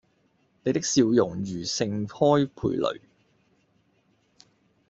你的笑容如盛開蓓蕾